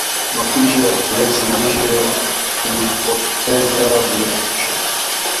mapishi ya viazi lishe haypotezi virutubisho